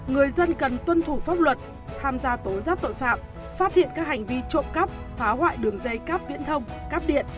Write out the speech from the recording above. người dân cần tuân thủ pháp luật tham gia tối giáp tội phạm phát hiện các hành vi trộm cắp phá hoại đường dây cắp viễn thông cắp điện